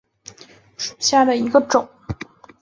早花大丁草为菊科大丁草属下的一个种。